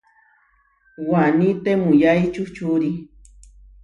Waní temuyái čuhčuri.